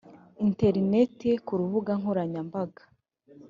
interinete ku rubuga nkoranyambaga